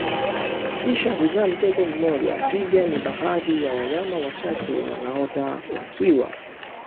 kisha huzaa mtoto mmoja tu Twiga ni baadhi ya wanyama wachache wanao zaa wakiwa